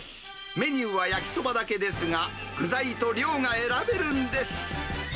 メニューは焼きそばだけですが、具材と量が選べるんです。